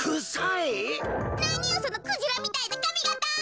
なによそのクジラみたいなかみがた！